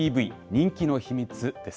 人気の秘密です。